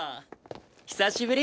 久しぶり。